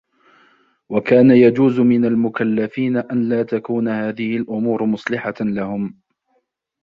وَكَانَ يَجُوزُ مِنْ الْمُكَلَّفِينَ أَنْ لَا تَكُونَ هَذِهِ الْأُمُورُ مُصْلِحَةً لَهُمْ